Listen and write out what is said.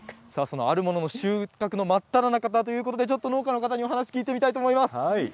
そのあるものの収穫の真っただ中だということで、ちょっと農家の方にお話聞いてみたいと思います。